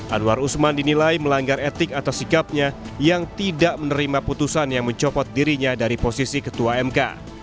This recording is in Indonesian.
anwar usman dinilai melanggar etik atas sikapnya yang tidak menerima putusan yang mencopot dirinya dari posisi ketua mk